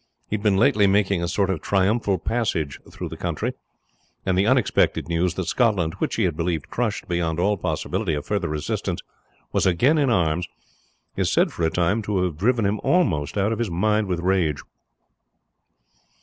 He had been lately making a sort of triumphant passage through the country, and the unexpected news that Scotland which he had believed crushed beyond all possibility of further resistance was again in arms, is said for a time to have driven him almost out of his mind with rage.